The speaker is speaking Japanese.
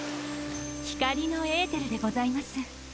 光のエーテルでございます。